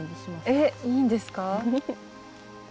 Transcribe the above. えっいいんですか？